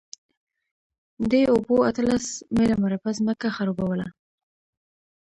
دې اوبو اتلس میله مربع ځمکه خړوبوله.